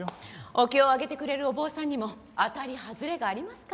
お経をあげてくれるお坊さんにも当たり外れがありますから。